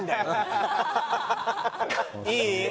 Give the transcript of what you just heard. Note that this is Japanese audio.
いい？